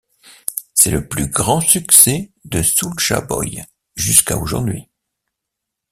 C'est le plus grand succès de Soulja Boy jusqu'à aujourd'hui.